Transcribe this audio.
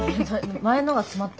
前のが詰まった？